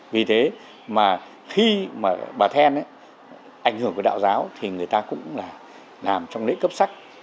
vì thế mà khi mà bà then ảnh hưởng của đạo giáo thì người ta cũng là làm trong lễ cấp sắc